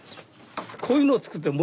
こういうのを作ってる。